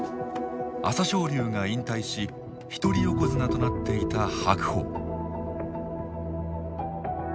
朝青龍が引退し一人横綱となっていた白鵬。